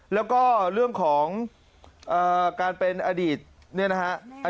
แล้วก็เรื่องของการเป็นอดีตเนี่ยนะฮะ